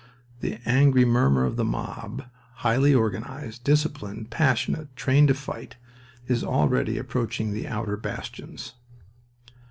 The angry murmur of the mob highly organized, disciplined, passionate, trained to fight, is already approaching the outer bastions.